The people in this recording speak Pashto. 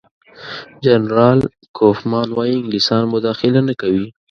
جنرال کوفمان وايي انګلیسان مداخله نه کوي.